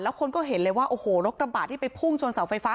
คนก็เห็นเลยว่าโอ้โหรถกระบะที่ไปพุ่งชนเสาไฟฟ้า